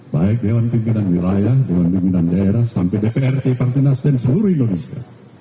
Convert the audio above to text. baik dewan pimpinan wilayah dewan pimpinan daerah sampai dprd partai nasdem seluruh indonesia